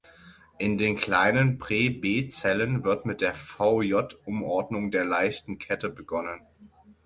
In den kleinen Prä-B-Zellen wird mit der V-J-Umordnung der leichten Kette begonnen.